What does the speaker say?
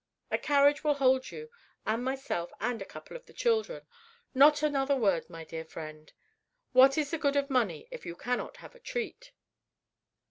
A carriage will hold you and myself and a couple of the children. Not another word, my dear friend. What is the good of money if you cannot have a treat?"